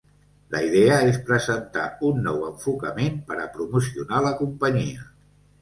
La idea és presentar un nou enfocament per a promocionar la companyia.